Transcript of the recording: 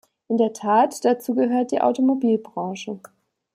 In der Tat, dazu gehört die Automobilbranche.